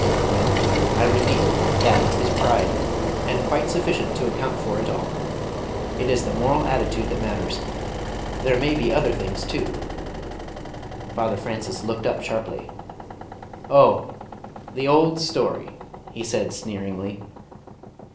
Well, I repeat, that is pride, and quite sufficient to account for it all. It is the moral attitude that matters. There may be other things too " Father Francis looked up sharply. "Oh! the old story!" he said sneeringly.